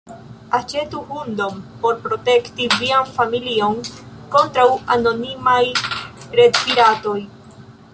Aĉetu hundon por protekti vian familion kontraŭ anonimaj retpiratoj.